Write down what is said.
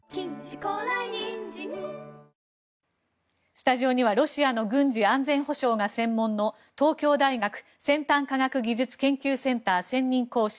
スタジオにはロシアの軍事・安全保障が専門の東京大学先端科学技術研究センター専任講師